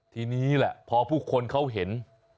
ทีนี้แหละพอผู้คนเขาเห็น